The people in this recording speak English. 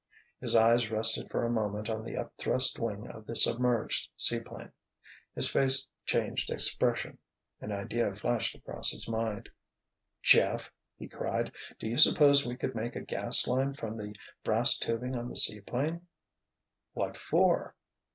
His eyes rested for a moment on the upthrust wing of the submerged seaplane. His face changed expression. An idea flashed across his mind. "Jeff," he cried, "do you suppose we could make a gas line from the brass tubing on the seaplane?" "What for?"